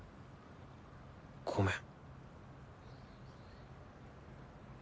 ごめん。